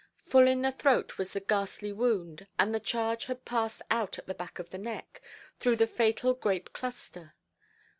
Full in the throat was the ghastly wound, and the charge had passed out at the back of the neck, through the fatal grape–cluster.